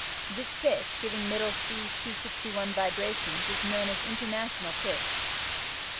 This pitch (giving Middle C 261 vibrations) is known as "International Pitch."